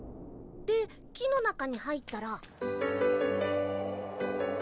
で木の中に入ったら。